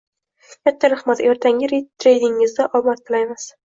— Katta rahmat, ertangi treningizda omad tilaymiz.